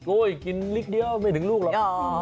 กินลิกเดียวไม่ถึงลูกหรอก